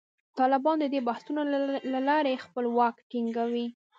طالبان د دې بحثونو له لارې خپل واک ټینګوي.